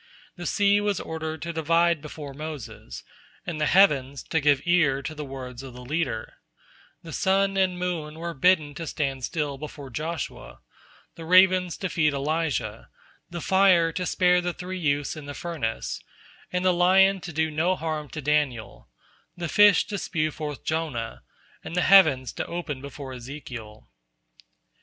The sea was ordered to divide before Moses, and the heavens to give ear to the words of the leader; the sun and the moon were bidden to stand still before Joshua, the ravens to feed Elijah, the fire to spare the three youths in the furnace, the lion to do no harm to Daniel, the fish to spew forth Jonah, and the heavens to open before Ezekiel.